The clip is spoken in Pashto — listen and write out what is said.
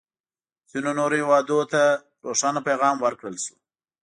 ځینو نورو هېوادونه ته روښانه پیغام ورکړل شو.